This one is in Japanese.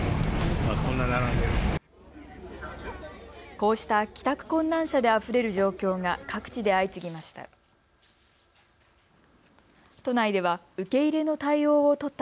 こうした帰宅困難者であふれる状況が各地で相次ぎました。